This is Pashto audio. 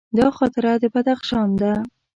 دا خاطره د بدخشان ده.